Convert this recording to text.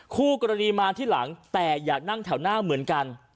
คู่กรณีมาที่หลังแต่อยากนั่งแถวหน้าเหมือนกัน